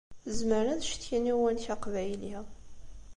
Zemren ad cetkin i uwanek aqbayli.